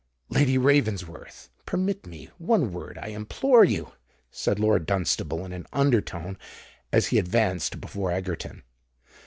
"Lady Ravensworth, permit me—one word, I implore you!" said Lord Dunstable, in an under tone, as he advanced before Egerton.